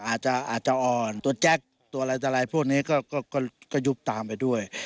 อาจจะอ่อนตัวแจ็คตัวอะไรพวกนี้ก็ยุบตามไปด้วย